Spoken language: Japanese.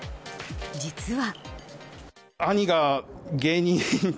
実は。